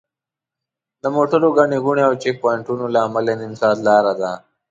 د موټرو ګڼې ګوڼې او چیک پواینټونو له امله نیم ساعت لاره ده.